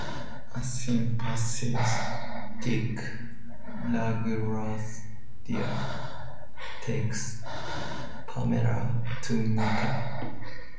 A sympathetic LaGuardia takes Pamela to Nicky.